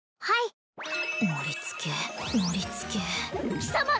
はい盛りつけ盛りつけ貴様